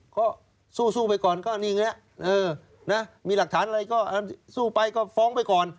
ก็สู้ไปก่อนก็นี่ไงมีหลักฐานอะไรก็สู้ไปก็ฟ้องไปก่อน